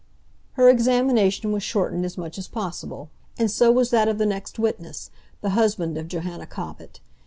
Her examination was shortened as much as possible; and so was that of the next witness, the husband of Johanna Cobbett.